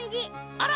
あら！